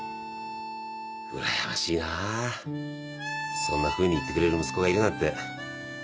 うらやましいなぁそんなふうに言ってくれる息子がいるなんて。